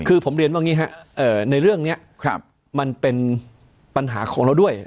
คือผมเรียนว่าอย่างนี้ครับในเรื่องนี้มันเป็นปัญหาของเราด้วย